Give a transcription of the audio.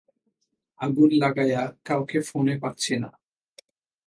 আগুন লাগায় কাউকে ফোনে পাচ্ছি না।